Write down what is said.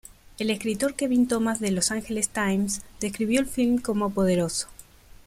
El escritor Kevin Thomas de "Los Angeles Times" describió el filme como "poderoso".